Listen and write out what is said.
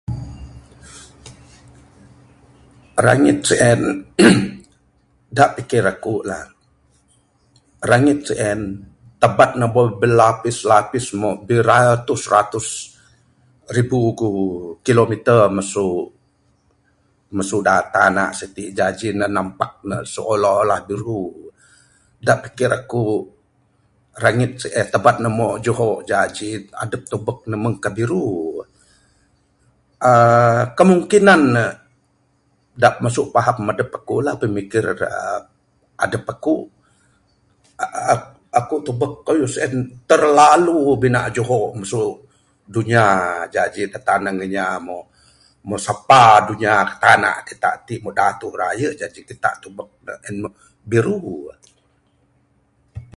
Rengit sien eee dak pikir akulah rengit sien tempat ne belapis-lapis umon biratus-ratus ribu kilometres mesu mesu tana siti, jaji ne nampak ne seolah-olah biru. Dak pikir aku rengit sien teban umo juho jaji adep tebek ne mungkah biru. aaa kemungkinan ne dak mesu paham adep akulah pemikir aaa adep aku aaa aku tebuk keyuh sien terlalu bina juho mesu dunia jaji dok tanang inya moh sepa dunia kita tana ti moh datuh raye, jaji kita tebuk meng en biru.